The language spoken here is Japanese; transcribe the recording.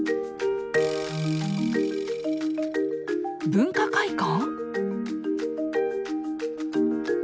「文化会館」？